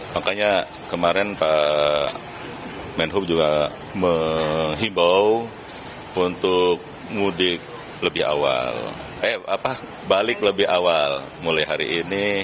makanya kemarin pak menhub juga mengimbau untuk balik lebih awal mulai hari ini